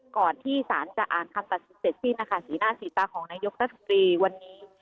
ก่อนที่สารจะอ่านคำตัดสินเสร็จสิ้นนะคะสีหน้าสีตาของนายกรัฐมนตรีวันนี้